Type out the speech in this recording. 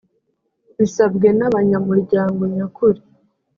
bisabwe n’abanyamuryango nyakuri